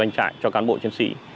doanh trại cho cán bộ chiến sĩ